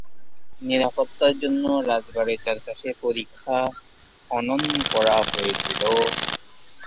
নিরাপত্তার জন্য রাজবাড়ির চারপাশে পরিখা খনন করা হয়েছিল।